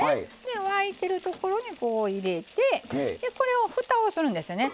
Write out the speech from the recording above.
沸いているところにこう入れてこれをふたをするんですね。